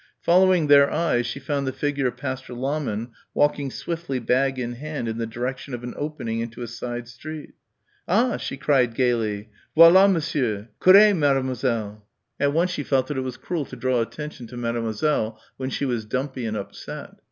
Following their eyes she found the figure of Pastor Lahmann walking swiftly bag in hand in the direction of an opening into a side street. "Ah!" she cried gaily. "Voilà Monsieur; courrez, Mademoiselle!" At once she felt that it was cruel to draw attention to Mademoiselle when she was dumpy and upset.